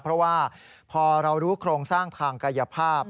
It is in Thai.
เพราะว่าพอเรารู้โครงสร้างทางกายภาพ